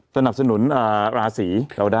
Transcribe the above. สนับสนุนราศีเราได้